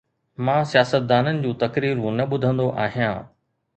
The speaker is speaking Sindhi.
مان سياستدانن جون تقريرون نه ٻڌندو آهيان.